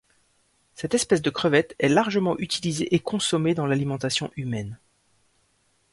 Cette espèce de crevette est largement utilisée et consommée dans l'alimentation humaine.